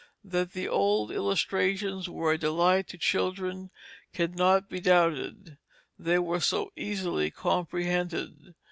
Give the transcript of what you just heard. That the old illustrations were a delight to children cannot be doubted; they were so easily comprehended.